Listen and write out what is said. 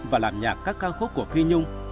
và làm nhạc các ca khúc của phi nhung